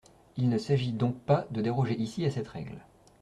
Il ne s’agit donc pas de déroger ici à cette règle.